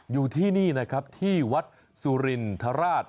อยู่ที่นี่นะครับที่วัดสุรินทราช